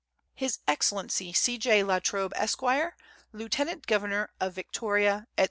His Excellency C. J. La Trobe, Esq., Lieutenant Governor of Victoria, &c.